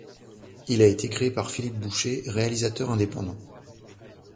Il a été créé par Philippe Boucher, réalisateur indépendant.